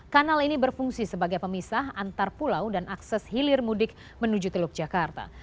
kanal ini berfungsi sebagai pemisah antar pulau dan akses hilir mudik menuju teluk jakarta